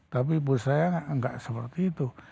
tapi menurut saya nggak seperti itu